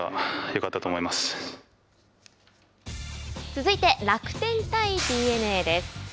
続いて楽天対ＤｅＮＡです。